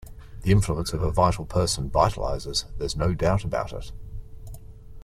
The influence of a vital person vitalizes, there's no doubt about it.